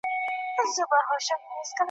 په یوه گوزار یې خوله کړله ورماته ,